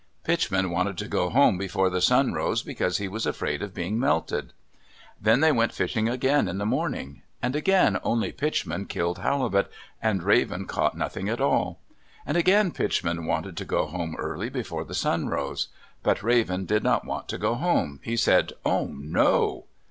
Pitchman wanted to go home before the sun rose because he was afraid of being melted. Then they went fishing again in the morning. And again only Pitchman killed halibut, and Raven caught nothing at all; and again Pitchman wanted to go home early before the sun rose. But Raven did not want to go home. He said, "Oh, no."